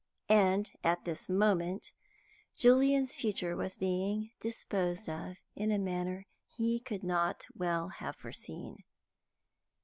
And at this moment, Julian's future was being disposed of in a manner he could not well have foreseen.